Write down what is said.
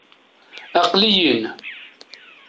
Aql-iyi-n.